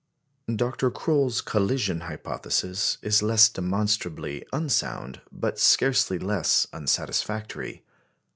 Dr. Croll's collision hypothesis is less demonstrably unsound, but scarcely less unsatisfactory.